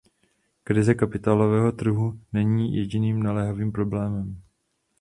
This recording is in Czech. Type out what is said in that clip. Krize kapitálového trhu není jediným naléhavým problémem.